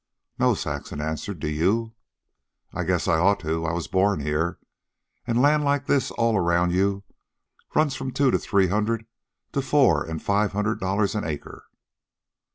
"No," Saxon answered. "Do you?" "I guess I ought to. I was born here. And land like this all around you runs at from two to three hundred to four an' five hundred dollars an acre."